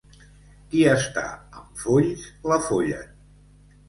Qui està amb folls, l'afollen.